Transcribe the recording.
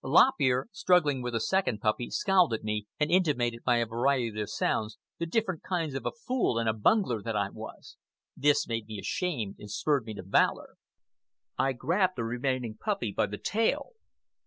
Lop Ear, struggling with the second puppy, scowled at me and intimated by a variety of sounds the different kinds of a fool and a bungler that I was. This made me ashamed and spurred me to valor. I grabbed the remaining puppy by the tail.